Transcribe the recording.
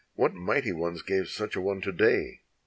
what mighty ones gave such an one to day?